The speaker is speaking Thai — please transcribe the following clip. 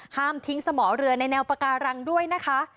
ห้ามทิ้งสมอเรือในแนวปาการังด้วยนะคะ